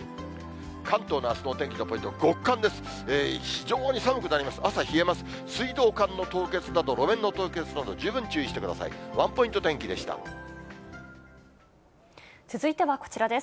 関東のあすのお天気のポイントは極寒です。